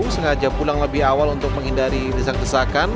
sengaja pulang lebih awal untuk menghindari desak desakan